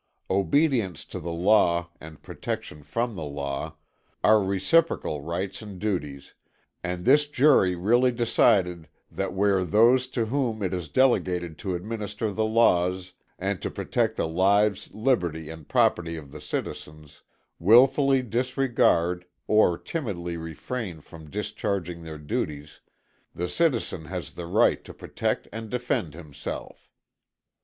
Obedience to the law and protection from the law, are reciprocal rights and duties, and this jury really decided that where those to whom it is delegated to administer the laws, and to protect the lives, liberty and property of the citizens, wilfully disregard, or timidly refrain from discharging their duties, the citizen has the right to protect and defend himself."